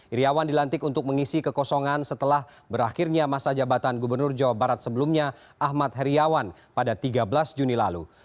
iryawan dilantik untuk mengisi kekosongan setelah berakhirnya masa jabatan gubernur jawa barat sebelumnya ahmad heriawan pada tiga belas juni lalu